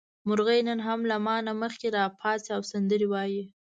مرغۍ نن هم له ما نه مخکې راپاڅي او سندرې وايي.